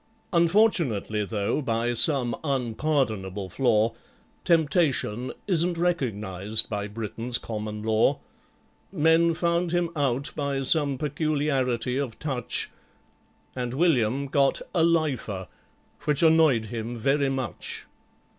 Unfortunately, though, by some unpardonable flaw, Temptation isn't recognized by Britain's Common Law; Men found him out by some peculiarity of touch, And WILLIAM got a "lifer," which annoyed him very much.